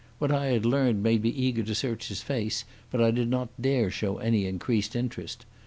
What I had learned made me eager to search his face, but I did not dare show any increased interest.